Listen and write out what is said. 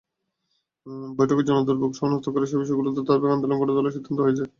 বৈঠকে জনদুর্ভোগ শনাক্ত করে সেই বিষয়গুলোতে ধারাবাহিক আন্দোলন গড়ে তোলার সিদ্ধান্ত হয়েছে।